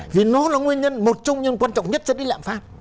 vì nó là nguyên nhân một trong những nguyên nhân quan trọng nhất cho lý lạm pháp